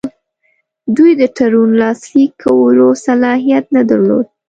دوی د تړون لاسلیک کولو صلاحیت نه درلود.